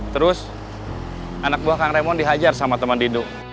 terus anak buah kang raymond dihajar sama teman didu